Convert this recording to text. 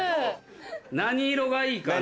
何色がいいかな？